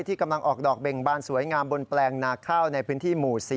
กำลังออกดอกเบ่งบานสวยงามบนแปลงนาข้าวในพื้นที่หมู่๔